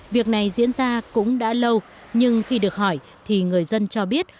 việc này diễn ra cũng đã lâu nhưng khi được hỏi thì người dân cho biết